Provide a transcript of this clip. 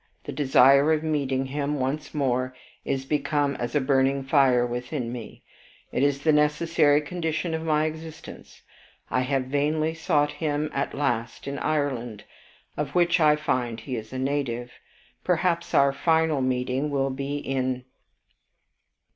The desire of meeting him once more is become as a burning fire within me, it is the necessary condition of my existence. I have vainly sought him at last in Ireland, of which I find he is a native. Perhaps our final meeting will be in.